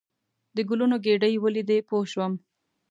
د ګلونو ګېدۍ ولیدې پوه شوم.